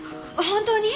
本当に？